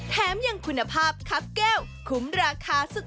แถมยังคุณภาพคับแก้วคุ้มราคาสุด